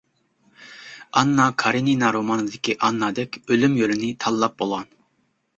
ئاننا كارىنىنا رومانىدىكى ئاننادەك ئۆلۈم يولىنى تاللاپ بولغان،